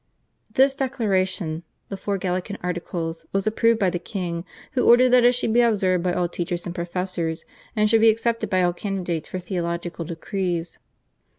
This Declaration (the Four Gallican Articles) was approved by the king, who ordered that it should be observed by all teachers and professors, and should be accepted by all candidates for theological decrees.